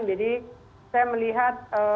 jadi saya melihat